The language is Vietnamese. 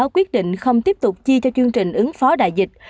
quyết định không tiếp tục chi cho chương trình ứng phó đại dịch